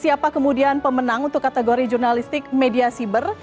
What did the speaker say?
siapa kemudian pemenang untuk kategori jurnalistik media siber